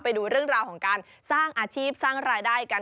ไปดูเรื่องราวของการสร้างอาชีพสร้างรายได้กัน